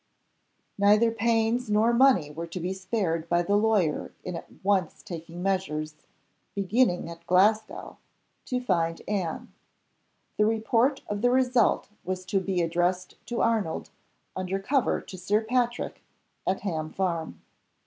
Neither pains nor money were to be spared by the lawyer in at once taking measures (beginning at Glasgow) to find Anne. The report of the result was to be addressed to Arnold, under cover to Sir Patrick at Ham Farm.